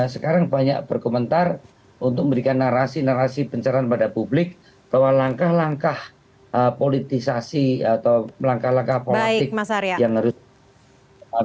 sekarang banyak berkomentar untuk memberikan narasi narasi pencerahan pada publik bahwa langkah langkah politisasi atau langkah langkah politik yang harus diperlukan